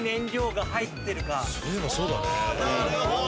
なるほど。